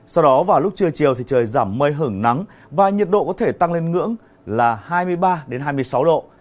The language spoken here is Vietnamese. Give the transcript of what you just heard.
sau đó vào lúc trưa chiều thì trời giảm mây hưởng nắng và nhiệt độ có thể tăng lên ngưỡng là hai mươi ba hai mươi sáu độ